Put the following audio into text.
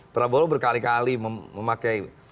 prabowo berkali kali memakai